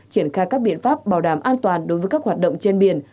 triển khai các biện pháp bảo đảm an toàn đối với các hoạt động trên biển